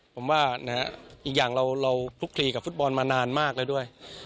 ผมว่าอีกอย่างเราคลุกคลีกับฟุตบอลมานานมากแล้วด้วย